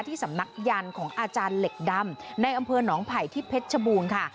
สำนักยันต์ของอาจารย์เหล็กดำในอำเภอหนองไผ่ที่เพชรชบูรณ์ค่ะ